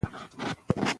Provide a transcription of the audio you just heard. تا ته به څۀ احساس وشي ـ